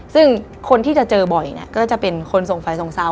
ซึ่งคนที่จะเจอบ่อยเนี่ยก็จะเป็นคนส่งไฟส่งซาว